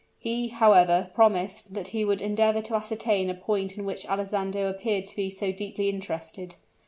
He, however, promised that he would endeavor to ascertain a point in which Alessandro appeared to be so deeply interested.